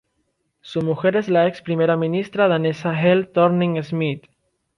Su mujer es la ex Primera ministra danesa Helle Thorning-Schmidt.